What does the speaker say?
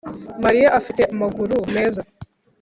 Mariya afite amaguru meza